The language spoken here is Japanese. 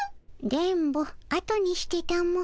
電ボあとにしてたも。